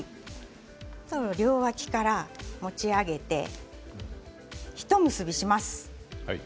両脇から持ち上げてひと結びします。